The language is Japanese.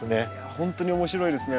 ほんとに面白いですね。